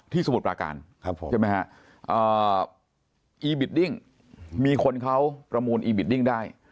สมุทรปราการใช่ไหมฮะอีบิดดิ้งมีคนเขาประมูลอีบิดดิ้งได้